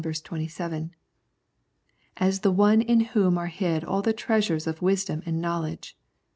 27), as the One in Whom are hid all the treasures of wisdom and knowledge (ch.